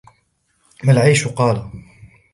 مَا الْعَيْشُ ؟ قَالَ